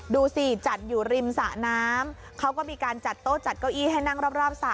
ดูสิจัดอยู่ริมสระน้ำเขาก็มีการจัดโต๊ะจัดเก้าอี้ให้นั่งรอบสระ